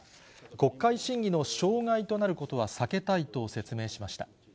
国会審議の障害となることは避けたいと説明しました。